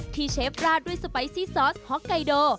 เชฟราดด้วยสไปซี่ซอสฮ็อกไกโด